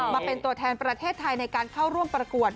มาเป็นตัวแทนประเทศไทยในการเข้าร่วมประกวด